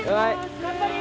頑張れよ！